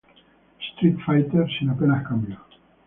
Street Fighter" sin apenas cambios.